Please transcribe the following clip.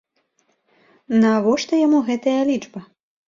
Навошта яму гэтая лічба?